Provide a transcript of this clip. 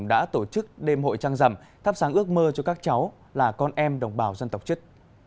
đã tổ chức đêm hội trăng rằm thắp sáng ước mơ cho các cháu là con em đồng bào dân tộc chất